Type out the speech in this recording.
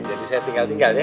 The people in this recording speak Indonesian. jadi saya tinggal tinggal ya